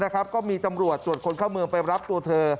ก็มีตำรวจตรวจคนเข้าเมืองไปรับตัวเธอ